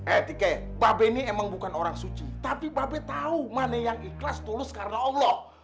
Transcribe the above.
eh tika mba be ini emang bukan orang suci tapi mba be tau mana yang ikhlas tulus karena allah